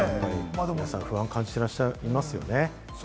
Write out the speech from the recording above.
皆さん不安を感じていらっしゃいますよね？